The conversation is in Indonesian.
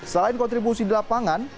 selain kontribusi di lapangan